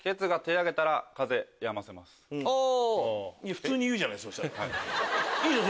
普通に言うじゃない？いいの？